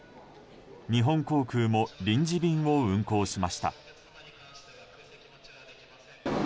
日本航空も臨時便を運航しました。